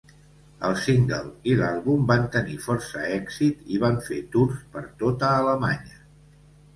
El single i l"àlbum van tenir força èxit i van fer tours per tota Alemanya.